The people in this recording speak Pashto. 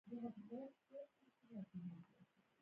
ـ د ژمي لمر ته سړى نه تودېږي.